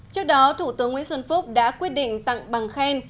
trước đó thủ tướng nguyễn xuân phúc đã quyết định tặng bằng khen